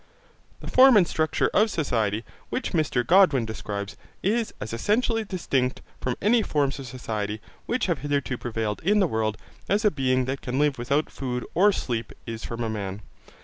The form and structure of society which Mr Godwin describes is as essentially distinct from any forms of society which have hitherto prevailed in the world as a being that can live without food or sleep is from a man.